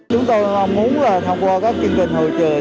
chúng tôi muốn tham quan các chương trình hội truyền